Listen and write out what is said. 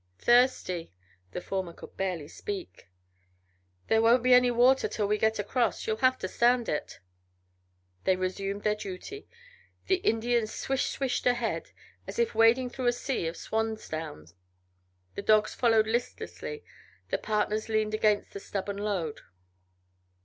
"Thirsty!" The former could barely speak. "There won't be any water till we get across. You'll have to stand it." They resumed their duties; the Indian "swish swished" ahead, as if wading through a sea of swan's down; the dogs followed listlessly; the partners leaned against the stubborn load.